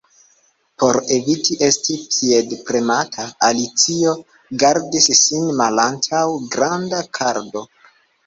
Por eviti esti piedpremata, Alicio gardis sin malantaŭ granda kardo.